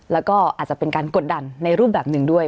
แล้วก็อาจจะเป็นการกดดันในรูปแบบหนึ่งด้วย